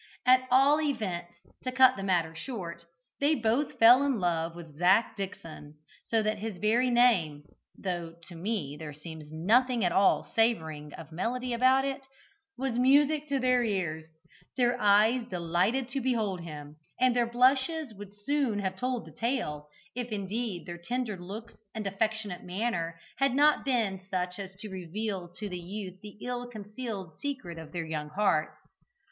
At all events, to cut the matter short, they both fell in love with Zac Dickson, so that his very name (though to me there seems nothing at all savouring of melody about it) was music to their ears, their eyes delighted to behold him, and their blushes would soon have told the tale, if indeed their tender looks and affectionate manner had not been such as to reveal to the youth the ill concealed secret of their young hearts.